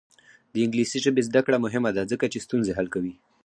د انګلیسي ژبې زده کړه مهمه ده ځکه چې ستونزې حل کوي.